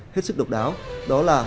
hết sức độc đáo đó là